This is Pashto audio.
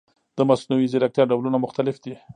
د مصنوعي ځیرکتیا ډولونه مختلف دي.